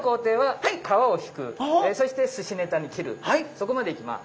そこまでいきます。